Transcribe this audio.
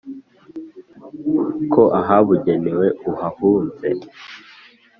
ko ahabugenewe uhahunze